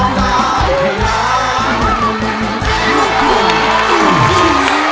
แม่